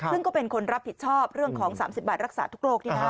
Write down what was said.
ซึ่งก็เป็นคนรับผิดชอบเรื่องของ๓๐บาทรักษาทุกโรค